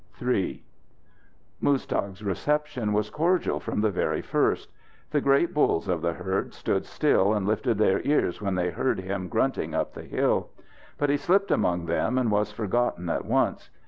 III Muztagh's reception was cordial from the very first. The great bulls of the herd stood still and lifted their ears when they heard him grunting up the hill. But he slipped among them and was forgotten at once.